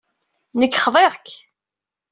Nekk xḍiɣ-k.